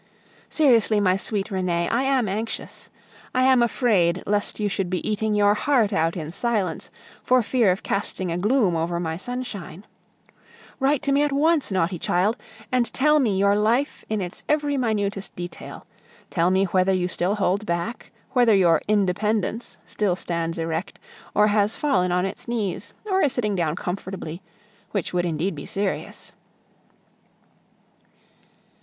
Seriously, my sweet Renee, I am anxious. I am afraid lest you should be eating your heart out in silence, for fear of casting a gloom over my sunshine. Write to me at once, naughty child! and tell me your life in its every minutest detail; tell me whether you still hold back, whether your "independence" still stands erect, or has fallen on its knees, or is sitting down comfortably, which would indeed be serious.